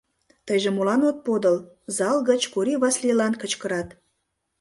— Тыйже молан от подыл? — зал гыч Кори Васлийлан кычкырат.